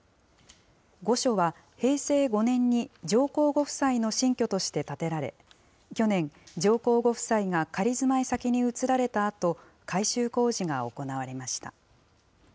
御所は平成５年に上皇ご夫妻の新居として建てられ、去年、上皇ご夫妻が仮住まい先に移られたあと、改修工事が行われました。